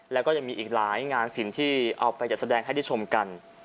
แล้วก็ยังมีอีกหลายงานสินที่เอาไปจัดแสดงให้ได้ชมกัน